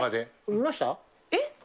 見ました？えっ？